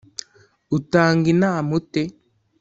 Utanga inama ute.